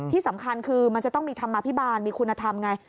ที่สำคัญคือมันจะต้องมีธรรมาภิบาลมีคุณธรรมไง